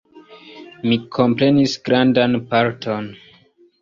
Mi komprenis grandan parton.